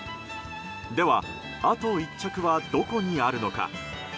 では、あと１着はどこにあるのか。